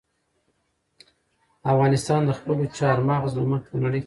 افغانستان د خپلو چار مغز له مخې په نړۍ کې پېژندل کېږي.